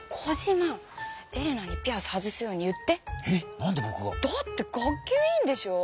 なんでぼくが？だって学級委員でしょう。